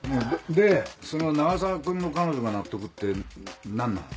でその永沢君の彼女が納得って何なん？